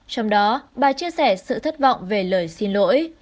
trong đó bà chia sẻ sự thất vọng về lời xin lỗi